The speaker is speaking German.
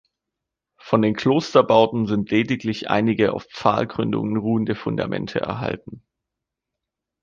Von den Klosterbauten sind lediglich einige auf Pfahlgründungen ruhende Fundamente erhalten.